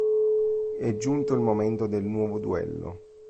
È giunto il momento del nuovo duello.